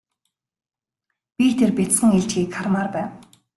Бид тэр бяцхан илжгийг хармаар байна.